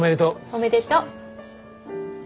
おめでとう。